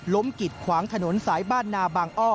กิดขวางถนนสายบ้านนาบางอ้อ